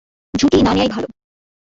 ঝুঁকি না নেয়াই ভালো।